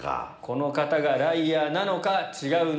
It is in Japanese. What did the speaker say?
この方がライアーなのか違うのか。